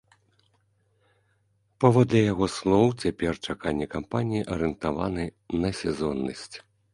Паводле яго слоў, цяпер чаканні кампаній арыентаваны на сезоннасць.